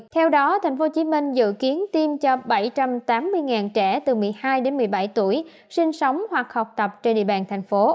theo đó tp hcm dự kiến tiêm cho bảy trăm tám mươi trẻ từ một mươi hai đến một mươi bảy tuổi sinh sống hoặc học tập trên địa bàn thành phố